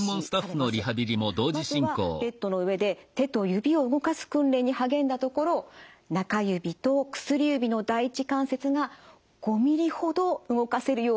まずはベッドの上で手と指を動かす訓練に励んだところ中指と薬指の第一関節が５ミリほど動かせるようになったそうです。